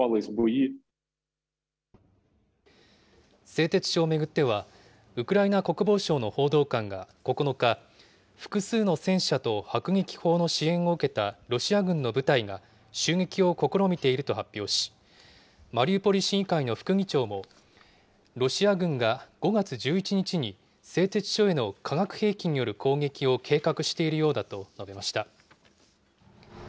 製鉄所をめぐっては、ウクライナ国防省の報道官が９日、複数の戦車と迫撃砲の支援を受けたロシア軍の部隊が襲撃を試みていると発表し、マリウポリ市議会の副議長も、ロシア軍が５月１１日に、製鉄所への化学兵器による攻撃を計画しているようだと述べました。